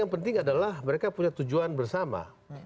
yang penting adalah mereka punya tujuan bersama